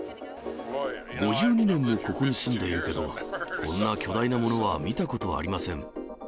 ５２年もここに住んでいるけど、こんな巨大なものは見たことありません。